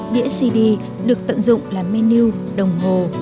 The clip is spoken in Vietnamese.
đĩa cd được tận dụng làm menu đồng hồ